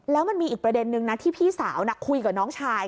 แล้วมันมีอีกประเด็นนึงนะที่พี่สาวคุยกับน้องชาย